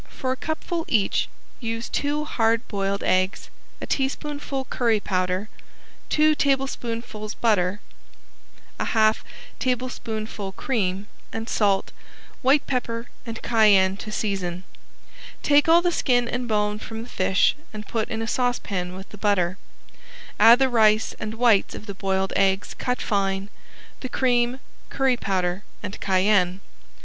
For a cupful each use two hard boiled eggs, a teaspoonful curry powder, two tablespoonfuls butter, a half tablespoonful cream, and salt, white pepper and cayenne to season. Take all the skin and bone from the fish and put in a saucepan with the butter. Add the rice and whites of the boiled eggs cut fine, the cream, curry powder and cayenne.